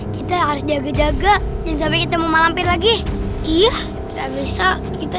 kita harus jaga jaga dan sampai kita mau malam pir lagi iya bisa bisa kita